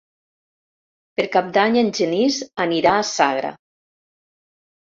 Per Cap d'Any en Genís anirà a Sagra.